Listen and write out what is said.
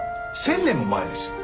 １０００年も前ですよ。